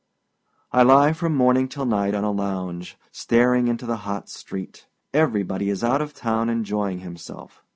I lie from morning till night on a lounge, staring into the hot street. Everybody is out of town enjoying himself.